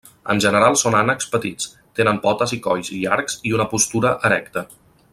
En general són ànecs petits, tenen potes i colls llargs i una postura erecta.